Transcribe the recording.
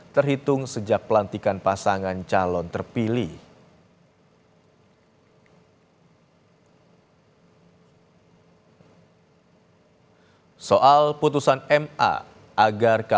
terhitung sejak pelantikan pasangan calon terpilih